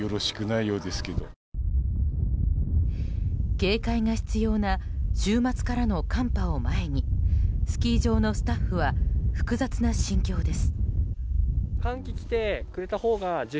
警戒が必要な週末からの寒波を前にスキー場のスタッフは複雑な心境です。